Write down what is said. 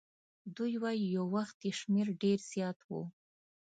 دوی وایي یو وخت یې شمیر ډېر زیات وو.